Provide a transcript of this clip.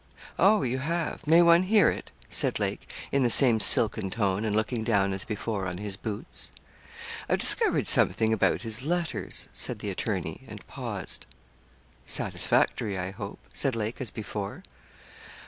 'Oh! you have? May one hear it?' said Lake, in the same silken tone, and looking down, as before, on his boots. 'I've discovered something about his letters,' said the attorney, and paused. 'Satisfactory, I hope?' said Lake as before.